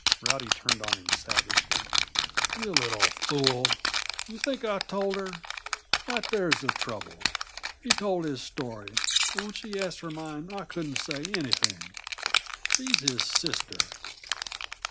Rowdy turned on him savagely. "You little fool, do you think I told her? Right there's the trouble. He told his story; and when she asked for mine, I couldn't say anything. She's his sister."